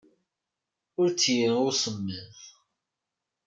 Ur t-yenɣi usemmiḍ.